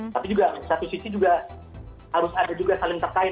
tapi juga satu sisi juga harus ada juga saling terkait